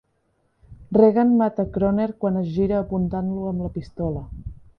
Regan mata Kroner quan es gira apuntat-lo amb la pistola.